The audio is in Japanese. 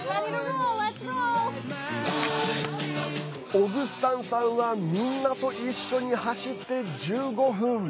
オグスタンさんはみんなと一緒に走って１５分。